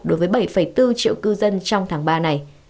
đối với bảy bốn triệu cư dân trong tháng ba này